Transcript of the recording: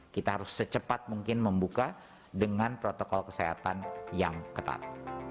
kita harus secepat mungkin membuka dengan protokol kesehatan yang ketat